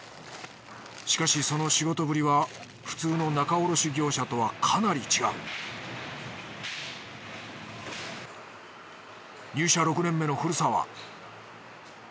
しかしその仕事ぶりは普通の仲卸業者とはかなり違う入社６年目の古澤。